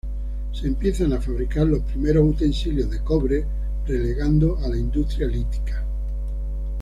Se empiezan a fabricar los primeros utensilios de cobre relegando a la industria lítica.